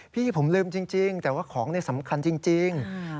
พี่ผมลืมจริงแต่ว่าของนี่สำคัญจริง